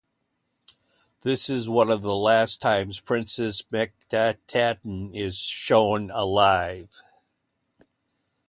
This is one of the last times princess Meketaten is shown alive.